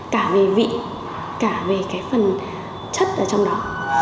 cả về vị cả về cái phần chất ở trong đó